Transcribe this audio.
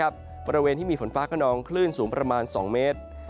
บริเวณที่มีฝนฟ้าขนองคลื่นสูงประมาณ๒เมตร